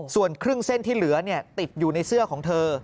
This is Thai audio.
ส่วนครึ่งเส้นที่เหลือติดอยู่ในเสื้อของเธอ